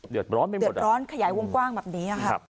เดือดร้อนขยายวงกว้างแบบนี้อะครับ